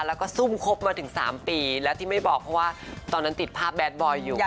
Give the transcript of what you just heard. แล้วก็ซุ่มครบมาถึง๓ปีแล้วที่ไม่บอกเพราะว่าตอนนั้นติดภาพแดดบอยอยู่